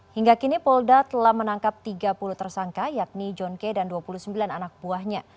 hingga kini polda telah menangkap tiga puluh tersangka yakni john k dan dua puluh sembilan anak buahnya